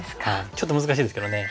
ちょっと難しいですけどね。